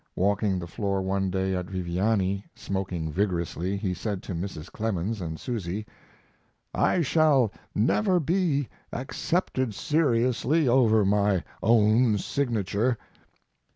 Walking the floor one day at Viviani, smoking vigorously, he said to Mrs. Clemens and Susy: "I shall never be accepted seriously over my own signature.